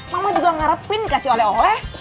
mama juga ngarepin kasih oleh oleh